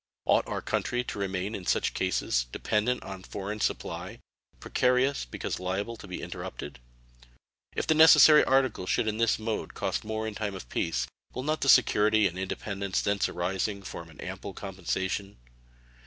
Ought our country to remain in such cases dependent on foreign supply, precarious because liable to be interrupted? If the necessary article should in this mode cost more in time of peace, will not the security and independence thence arising form an ample compensation?